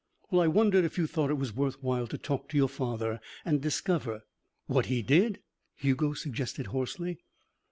"Well, I wondered if you thought it was worth while to talk to your father and discover " "What he did?" Hugo suggested hoarsely.